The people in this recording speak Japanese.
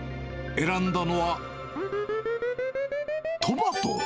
選んだのはトマト？